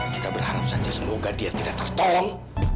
kita berharap saja semoga dia tidak tertolong